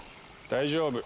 大丈夫。